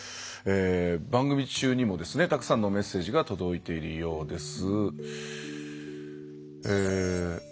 番組中にもたくさんのメッセージが届いているようです。